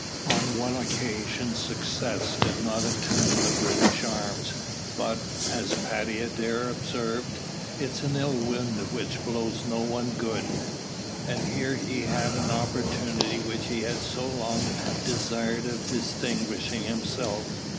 On one occasion success did not attend the British arms, but, as Paddy Adair observed, "It's an ill wind which blows no one good," and he here had an opportunity which he had so long desired of distinguishing himself.